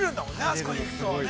あそこに行くと。